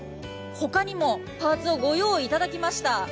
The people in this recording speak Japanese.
他にもパーツをご用意いただきました。